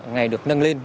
ngày được nâng lên